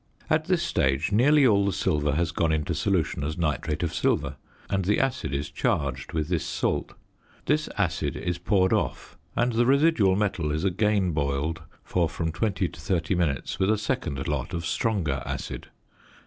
At this stage nearly all the silver has gone into solution as nitrate of silver and the acid is charged with this salt. This acid is poured off and the residual metal is again boiled for from 20 to 30 minutes with a second lot of stronger acid.